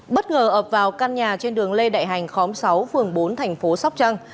bất ngờ ập vào căn nhà trên đường lê đại hành khóm sáu phường bốn thành phố sóc trăng